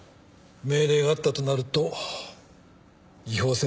命令があったとなると違法性は問えないな。